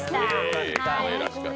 かわいらしかった。